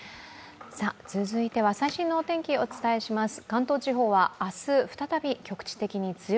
続いては最新のお天気、お伝えします。